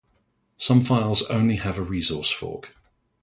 Some files have only a resource fork.